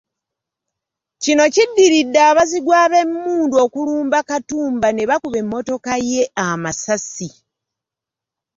Kino kiddiridde abazigu b’emmundu okulumba Katumba ne bakuba emmotoka ye amasasi.